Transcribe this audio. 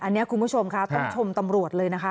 อันนี้คุณผู้ชมค่ะต้องชมตำรวจเลยนะคะ